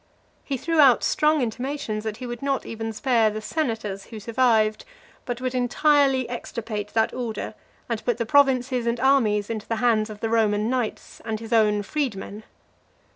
He threw out strong intimations that he would not even spare the senators who survived, but would entirely extirpate that order, and put the provinces and armies into the hands of the Roman knights and his own freedmen.